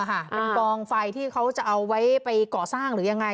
เป็นกองไฟที่เขาจะเอาไว้ไปก่อสร้างหรือยังไง